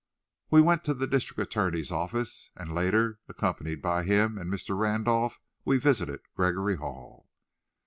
We went to the district attorney's office, and, later, accompanied by him and by Mr. Randolph, we visited Gregory Hall.